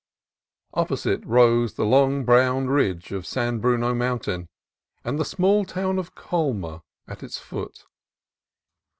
Opposite rose the long brown ridge of San Bruno Mountain, with the small town of Colma at its foot.